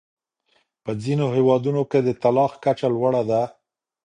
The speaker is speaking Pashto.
په ځینو هېوادونو کې د طلاق کچه لوړه ده.